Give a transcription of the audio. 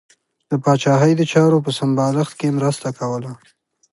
د پاچاهۍ د چارو په سمبالښت کې مرسته کوله.